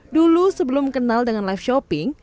dulu sebelum kenal dengan live shopping